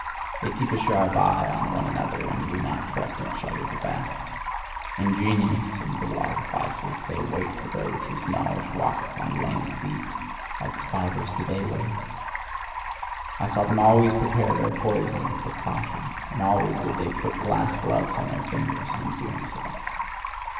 They keep a sharp eye on one another, and do not trust each other the best. Ingenious in little artifices, they wait for those whose knowledge walketh on lame feet, like spiders do they wait. I saw them always prepare their poison with precaution; and always did they put glass gloves on their fingers in doing so.